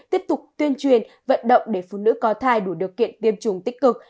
tiếp tục tuyên truyền vận động để phụ nữ có thai đủ điều kiện tiêm chủng tích cực